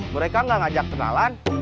mereka gak ngajak kenalan